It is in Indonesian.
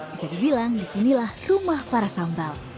bisa dibilang disinilah rumah para sambal